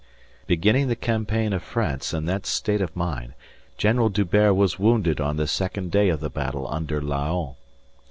Beginning the campaign of France in that state of mind, General D'Hubert was wounded on the second day of the battle under Laon.